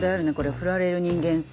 ふられる人間性。